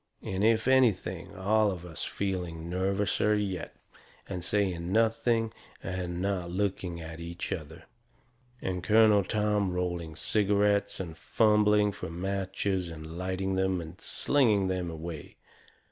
And, if anything, all of us feeling nervouser yet. And saying nothing and not looking at each other. And Colonel Tom rolling cigarettes and fumbling fur matches and lighting them and slinging them away.